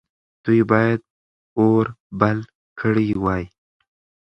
دوی باید اور بل کړی وای.